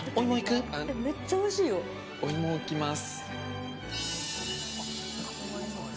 めっちゃおいしいよ。お芋行きます。